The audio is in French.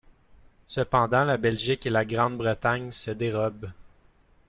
Cependant, la Belgique et la Grande-Bretagne se dérobent.